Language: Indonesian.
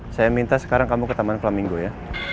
saya minta sekarang kamu ke taman flaminggo ya